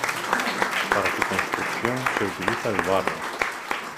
Para su construcción se utiliza el barro.